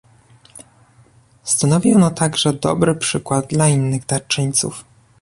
Stanowi ono także dobry przykład dla innych darczyńców